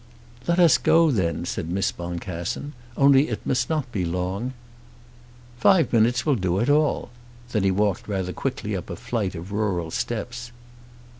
"Let us go then," said Miss Boncassen. "Only it must not be long." "Five minutes will do it all." Then he walked rather quickly up a flight of rural steps.